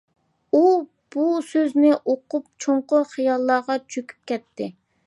ئۇ بۇ سۆزنى ئوقۇپ چوڭقۇر خىياللارغا چۆكۈپ كەتتى.